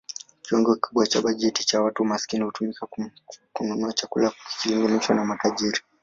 Kiwango kikubwa cha bajeti za watu maskini hutumika kununua chakula ikilinganishwa na matajiri.